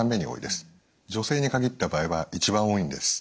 女性に限った場合は一番多いんです。